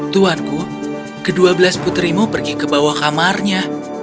tuanku kedua belas putrimu pergi ke bawah kamarnya